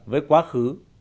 với quá khứ